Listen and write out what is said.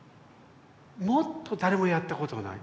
もっと誰もやったことがない。